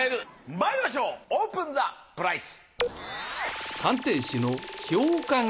まいりましょうオープンザプライス！